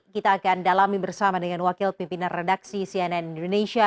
kita akan dalami bersama dengan wakil pimpinan redaksi cnn indonesia